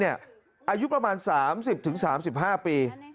อายุประมาณ๓๐๓๕ปี